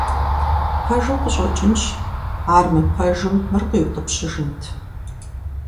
Пэжу къыщӀэкӀынщ, ар мыпэжым мыр къиутӀыпщыжынт?